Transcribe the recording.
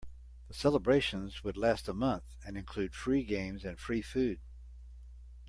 The celebrations would last a month and include free games and free food.